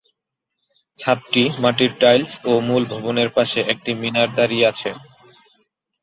ছাদটি মাটির টাইলস, ও মূল ভবনের পাশে একটি মিনার দাঁড়িয়ে আছে।